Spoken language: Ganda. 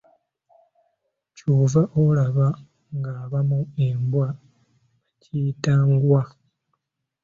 Ky'ova olaba ng'abamu embwa bagiyita Ngwa.